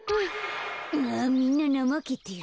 あみんななまけてる。